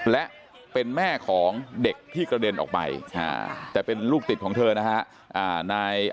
และเป็นแม่ของเด็กที่กระเด็นออกไปแต่เป็นลูกติดของเธอนะฮะ